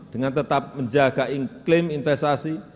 dengan tetap menjaga iklim investasi